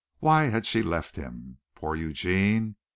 Why had she left him? Poor Eugene!